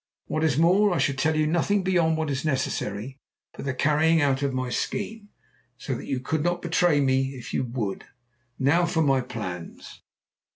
What is more, I shall tell you nothing beyond what is necessary for the carrying out of my scheme, so that you could not betray me if you would. Now for my plans!"